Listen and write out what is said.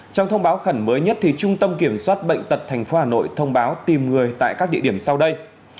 trong thông báo khẩn mới nhất trung tâm kiểm soát bệnh tật tp hà nội thông báo tìm người tại các địa điểm sau đây